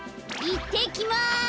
いってきます！